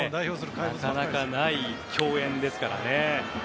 なかなかない共演ですからね。